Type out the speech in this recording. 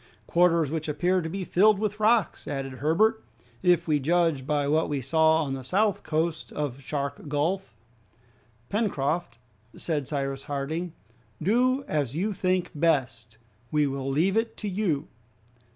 "Quarters which appear to be filled with rocks," added Herbert, "if we judge by what we saw on the south coast of Shark Gulf." "Pencroft," said Cyrus Harding, "do as you think best, we will leave it to you."